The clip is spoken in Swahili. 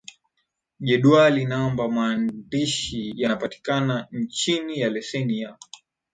Jedwali Namba Maandishi yanapatikana chini ya leseni ya